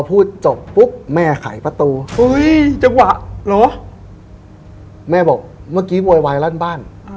พูดจบปุ๊บแม่ไขประตูเฮ้ยจังหวะเหรอแม่บอกเมื่อกี้โวยวายรั่นบ้าน